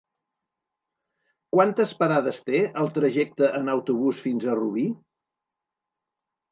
Quantes parades té el trajecte en autobús fins a Rubí?